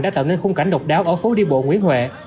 đã tạo nên khung cảnh độc đáo ở phố đi bộ nguyễn huệ